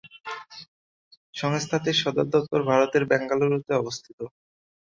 সংস্থাটির সদর দপ্তর ভারতের বেঙ্গালুরুতে অবস্থিত।